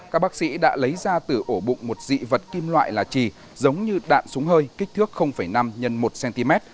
các bác sĩ đã lấy ra từ ổ bụng một dị vật kim loại là trì giống như đạn súng hơi kích thước năm x một cm